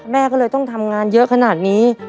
แม่ก็เลยต้องทำงานเยอะขนาดนี้